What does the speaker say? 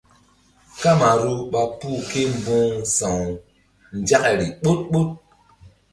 Kamaru ɓa puh ke mbu̧h sa̧w nzakri ɓoɗ ɓoɗ.